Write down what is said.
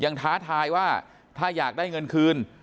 ท้าทายว่าถ้าอยากได้เงินคืน